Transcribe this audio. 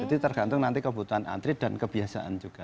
jadi tergantung nanti kebutuhan atrit dan kebiasaan juga